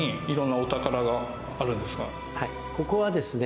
はいここはですね